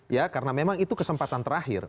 ya karena memang itu kesempatan terakhir